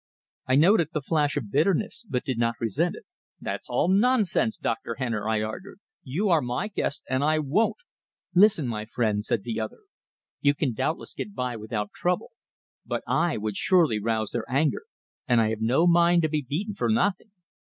I noted the flash of bitterness, but did not resent it. "That's all nonsense, Dr. Henner!" I argued. "You are my guest, and I won't " "Listen, my friend," said the other. "You can doubtless get by without trouble; but I would surely rouse their anger, and I have no mind to be beaten for nothing.